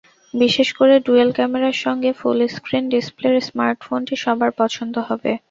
বিশেষ করে ডুয়েল ক্যামেরার সঙ্গে ফুল স্ক্রিন ডিসপ্লের স্মার্টফোনটি সবার পছন্দ হবে।